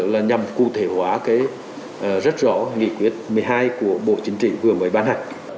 là nhằm cụ thể hóa cái rất rõ nghị quyết một mươi hai của bộ chính trị vừa mới ban hành